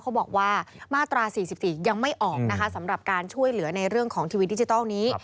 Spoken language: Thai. เขาบอกว่ามาตรา๔๔ยังไม่ออกนะคะสำหรับการช่วยเหลือในเรื่องของทีวีดิจิทัลนี้